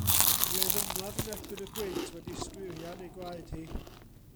Mi oedd ymladd yn erbyn y gwynt wedi stwyrian ei gwaed hi.